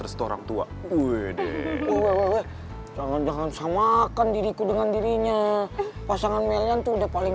restoran tua jangan jangan samakan diriku dengan dirinya pasangan melian tuh udah paling